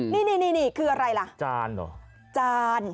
นี่คืออะไรล่ะจาน